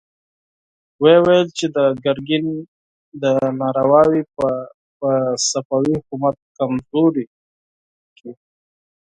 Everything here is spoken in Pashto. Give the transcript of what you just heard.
ويې ويل چې د ګرګين دا نارواوې به صفوي حکومت کمزوری کړي.